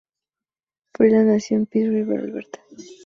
Freeland nació en Peace River, Alberta.